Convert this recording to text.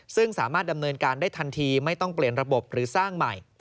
ซึ่งสามารถดำเนินการได้ทันทีไม่ต้องเปลี่ยนระบบหรือสร้างใหม่